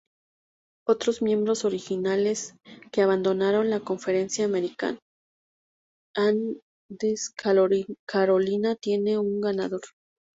Otros miembros originales que abandonaron la conferencia, American and East Carolina, tiene un ganador.